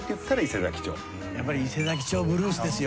やっぱり『伊勢佐木町ブルース』ですよ